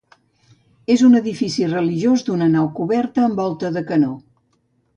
És un edifici religiós d'una nau coberta amb volta de canó.